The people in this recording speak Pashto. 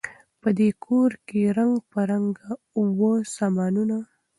په دې کورکي رنګ په رنګ وه سامانونه